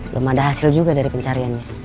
belum ada hasil juga dari pencariannya